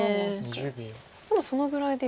でもそのぐらいですか。